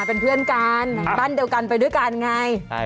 เป็นเพื่อนกันบ้านเดียวกันไปด้วยกันไง